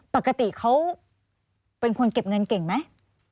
ปกติเขาเป็นคนเก็บเงินเก่งไหม